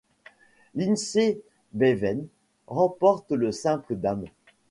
Lindsey Beaven remporte le simple dames.